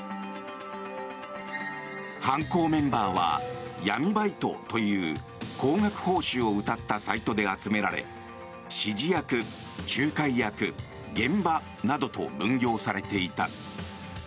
犯行メンバーは闇バイトという高額報酬をうたったサイトで集められ指示役、仲介役、現場などと分業されていた。